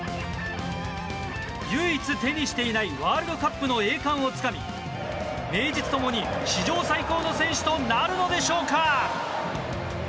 唯一手にしていないワールドカップの栄冠をつかみ名実ともに史上最高の選手となるのでしょうか。